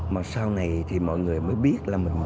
mà sau này thì mọi người mới biết là mình được